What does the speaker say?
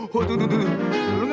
ya itu bukan masalah gue